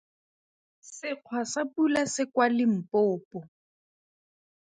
Sekgwa sa pula se kwa Limpopo.